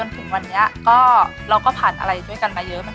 ลายได้ตลอดหนึ่งปีที่ผ่านมาหรอ